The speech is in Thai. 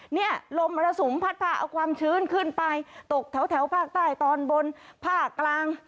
เนี่ยลมมรสุมพัดพาเอาความชื้นขึ้นไปตกแถวภาคใต้ตอนบนภาคกลาง